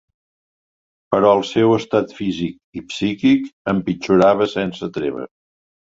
Però el seu estat físic i psíquic empitjorava sense treva.